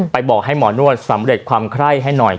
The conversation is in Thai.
บอกให้หมอนวดสำเร็จความไคร้ให้หน่อย